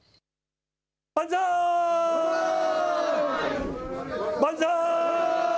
万歳、万歳。